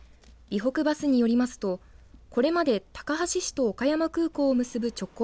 備北バスによりますとこれまで高梁市と岡山空港を結ぶ直行